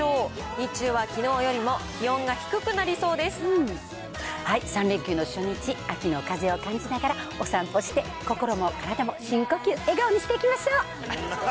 日中はきのうよりも気温が低くなりそ３連休の初日、秋の風を感じながらお散歩して、心も体も深呼吸、笑顔にしていきましょう。